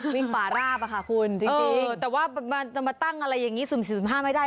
วิ่งป่าราบค่ะคุณจริงแต่ว่ามันจะมาตั้งอะไรอย่างนี้ศูนย์ศูนย์ฆ่าไม่ได้